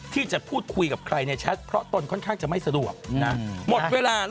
ที่จะพูดคุยกับใครเนี่ยชัดเพราะตนคอนข้างจะไม่สระหว่าง